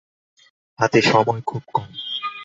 হাতে সময় খুব কম।